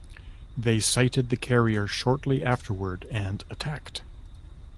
They sighted the carrier shortly afterward and attacked.